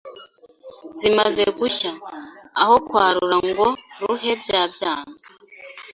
Zimaze gushya, aho kwarura ngo ruhe bya byana